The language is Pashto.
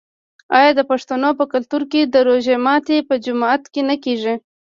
آیا د پښتنو په کلتور کې د روژې ماتی په جومات کې نه کیږي؟